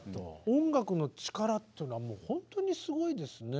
音楽の力っていうのは本当にすごいですね。